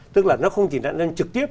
tức là nó không chỉ nặng lên trực tiếp